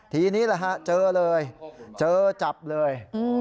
ทีนี้เจอเลยเจอจับเลย